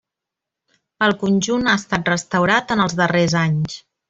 El conjunt ha estat restaurat en els darrers anys.